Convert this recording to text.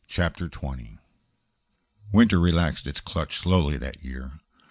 CHAPTER XX Winter relaxed its clutch slowly that year.